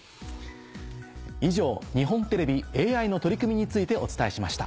以上日本テレビＡＩの取り組みについてお伝えしました。